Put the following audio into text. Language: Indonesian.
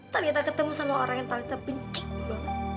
talitha ketemu sama orang yang talitha benci banget